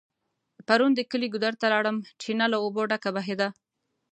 پرون د کلي ګودر ته لاړم .چينه له اوبو ډکه بهيده